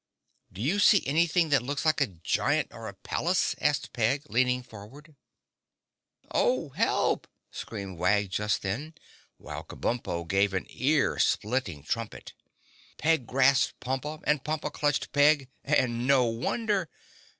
"Do you see anything that looks like a giant, or a palace?" asked Peg, leaning forward. "Oh, help!" screamed Wag just then, while Kabumpo gave an earsplitting trumpet. Peg grasped Pompa and Pompa clutched Peg and no wonder!